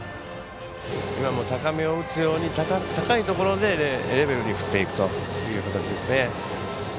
今も高めを打つように高いレベルで振っていくという形ですよね。